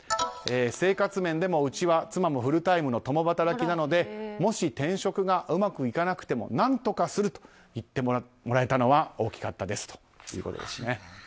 生活面でもうちは妻もフルタイムの共働きなのでもし転職がうまくいかなくても何とかすると言ってもらえたのは大きかったですということでした。